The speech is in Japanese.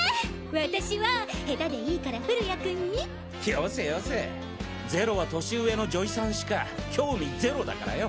私は下手でいいから降谷君に♥よせよせゼロは年上の女医さんしか興味ゼロだからよ。